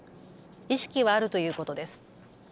意識はあるということです。